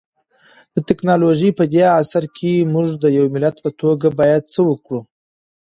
د ټکنالوژۍ پدې عصر کي مونږ د يو ملت په توګه بايد څه وکړو؟